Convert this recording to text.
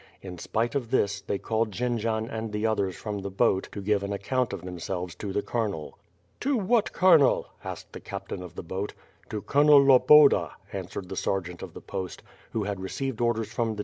In spite of this, they called to Jendzian and the others from the boat to give an account of themselves to the colonel. "To what colonel?" asked the captain of the boat. "To (blonel Lol)oda,'' answered the sergeant of the post, who had received orders from the